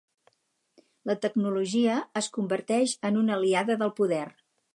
La tecnologia es converteix en una aliada del poder.